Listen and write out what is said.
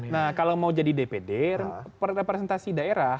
nah kalau mau jadi dpd representasi daerah